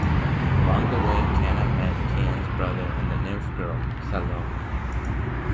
Along the way, Kana meet Tien's brother and the Nymph girl, Salome.